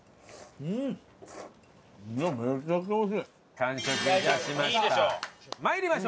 完食致しました。